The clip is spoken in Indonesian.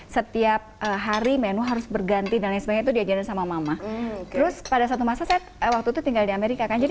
setiap hari menu harus berganti dan lain sebagainya itu diajarin sama mama terus pada satu masa saya waktu itu tinggal di amerika kan jadi